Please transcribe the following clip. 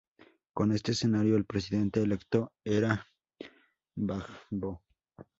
Con este escenario, el presidente electo era Gbagbo.